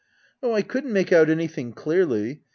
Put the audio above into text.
Oh, I couldn't make out anything clearly.